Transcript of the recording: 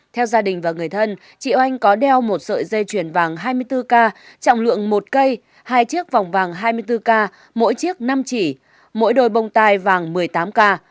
theo gia đình và người thân chị oanh có đeo một sợi dây chuyền vàng hai mươi bốn k trọng lượng một cây hai chiếc vòng vàng hai mươi bốn k mỗi chiếc năm chỉ mỗi đôi bông tai vàng một mươi tám k